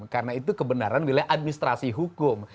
karena itu kebenaran wilayah administrasi hukum